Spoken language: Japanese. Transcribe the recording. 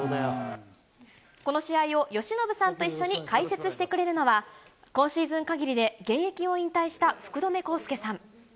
この試合を由伸さんと一緒に解説してくれるのは、今シーズンかぎりで現役を引退した福留孝介さん。